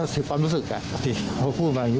อันนี้ก็ขอปรึกษาท่างญาติก่อนดีกว่าครับ